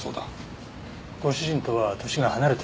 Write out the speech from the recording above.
ご主人とは年が離れていそうですね。